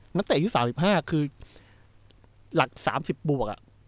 หลังแต่อายุ๓๕คือหลัก๓๐ปรูก